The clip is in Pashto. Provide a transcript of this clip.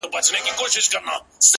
• هم په عمر هم په وزن برابر وه,